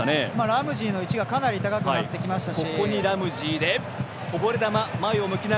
ラムジーの位置がかなり高くなってきました。